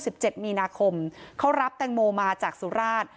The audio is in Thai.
สิบเจ็ดมีนาคมเขารับแตงโมมาจากสุราช